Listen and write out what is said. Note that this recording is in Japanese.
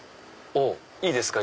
いいですか？